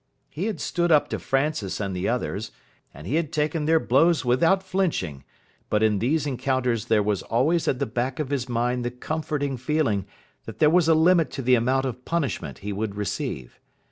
He had stood up to Francis and the others, and he had taken their blows without flinching; but in these encounters there was always at the back of his mind the comforting feeling that there was a limit to the amount of punishment he would receive.